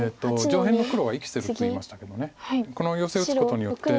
上辺の黒は生きてると言いましたけどこのヨセを打つことによって。